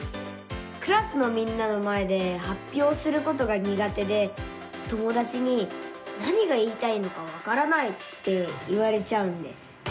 クラスのみんなの前ではっぴょうすることがにが手で友だちに「何が言いたいのかわからない」って言われちゃうんです。